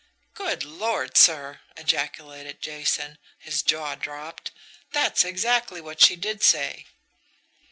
"Good Lord, sir!" ejaculated Jason, his jaw dropped, "that's exactly what she did say."